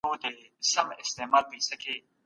کله شخصي شتمني مصادره کیږي؟